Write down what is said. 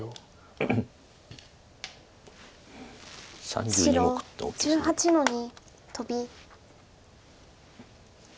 白１８の二トビ。